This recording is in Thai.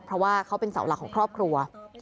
เพราะว่าเขาเป็นเสาหลักของครอบครัว